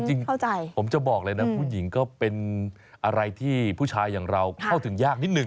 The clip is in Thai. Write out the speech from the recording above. จริงผมจะบอกเลยนะผู้หญิงก็เป็นอะไรที่ผู้ชายอย่างเราเข้าถึงยากนิดนึ